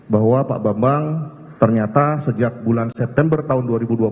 bahwa pak bambang ternyata sejak bulan september tahun dua ribu dua puluh